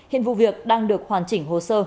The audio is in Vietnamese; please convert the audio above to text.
hiện vụ việc đang được hoàn chỉnh hồ sơ